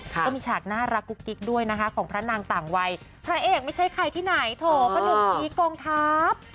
ก็มีฉากน่ารักกุ๊บกิ๊บด้วยนะคะพนักฏมนิยาทางวัยพระเอกไม่ใช่ใครที่ไหนทัวร์ผนุภีโกงทัพ